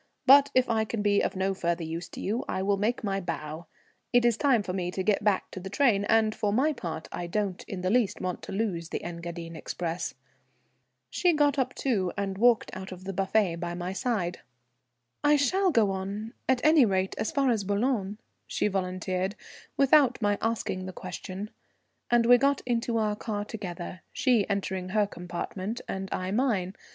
But if I can be of no further use to you I will make my bow. It is time for me to get back to the train, and for my part I don't in the least want to lose the Engadine express." She got up too, and walked out of the buffet by my side. "I shall go on, at any rate as far as Boulogne," she volunteered, without my asking the question; and we got into our car together, she entering her compartment and I mine.